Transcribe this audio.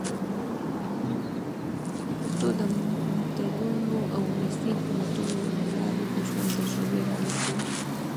پښتو د متلونو او ولسي حکمتونو له لاري د ژوند تجربې را لېږدوي.